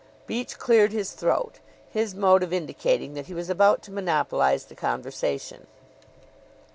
Beach cleared his throat his mode of indicating that he was about to monopolize the conversation.